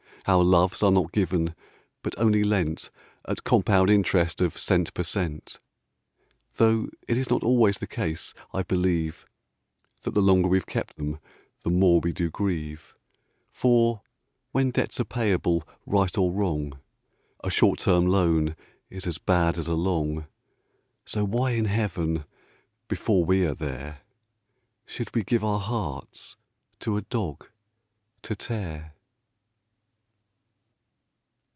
Our loves are not given, but only lent, At compound interest of cent per cent. Though it is not always the case, I believe, That the longer we've kept 'em, the more do we grieve: For, when debts are payable, right or wrong, A short time loan is as bad as a long So why in Heaven (before we are there!) Should we give our hearts to a dog to tear?